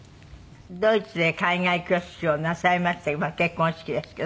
ドイツで海外挙式をなさいまして結婚式ですけど。